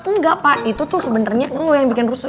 nggak pak itu tuh sebenernya lo yang bikin rusuh